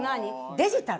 デジタル。